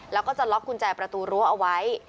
แล้วก็จะล็อกกุญแจประตูรั้วเอาไว้